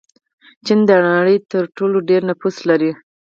چین د نړۍ تر ټولو ډېر نفوس لري.